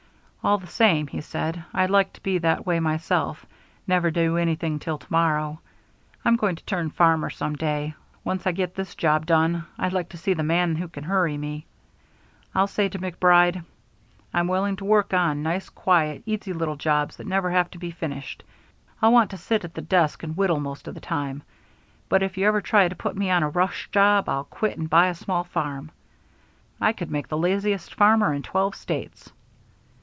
"All the same," he said, "I'd like to be that way myself; never do anything till to morrow. I'm going to turn farmer some day. Once I get this job done, I'd like to see the man who can hurry me. I'll say to MacBride: 'I'm willing to work on nice, quiet, easy little jobs that never have to be finished. I'll want to sit at the desk and whittle most of the time. But if you ever try to put me on a rush job I'll quit and buy a small farm.' I could make the laziest farmer in twelve states.